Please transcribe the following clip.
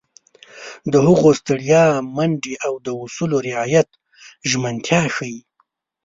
د هغه ستړیا، منډې او د اصولو رعایت ژمنتیا ښيي.